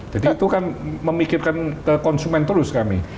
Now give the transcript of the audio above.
jadi itu kan memikirkan konsumen terus kami